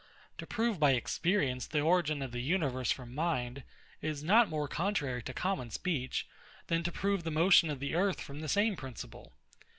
To prove by experience the origin of the universe from mind, is not more contrary to common speech, than to prove the motion of the earth from the same principle.